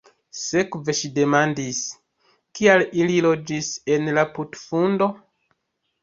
Sekve ŝi demandis: "Kial ili loĝis en la putfundo?"